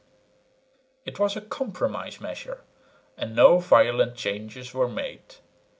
It was a compromise measure, and no violent changes were made.